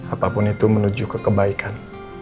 apapun itu menuju ke kebaikan